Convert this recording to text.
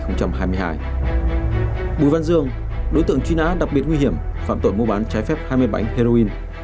năm hai nghìn hai mươi hai bùi văn dương đối tượng truy nã đặc biệt nguy hiểm phạm tội mua bán trái phép hai mươi bảy bánh heroin